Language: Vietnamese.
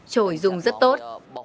trội dùng rất tốt